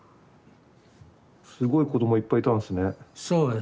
すごい子どもいっぱいいたんですね。